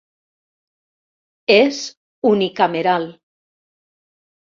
És unicameral.